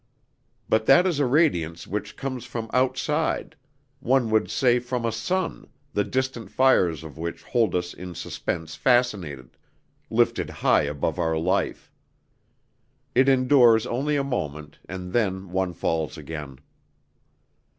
But that is a radiance which comes from outside; one would say from a sun, the distant fires of which hold us in suspense fascinated, lifted high above our life. It endures only a moment and then one falls again.